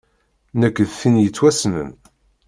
Nekk d tin yettwassnen.